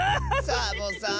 サボさん！